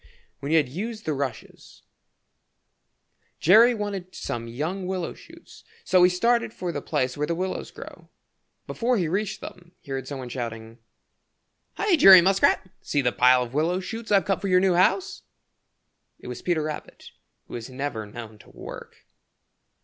When he had used the rushes, Jerry wanted some young willow shoots, so he started for the place where the willows grow. Before he reached them he heard some one shouting: "Hi, Jerry Muskrat! See the pile of willow shoots I've cut for your new house." It was Peter Rabbit, who is never known to work.